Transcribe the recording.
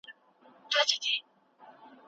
چې هستي پیدا شي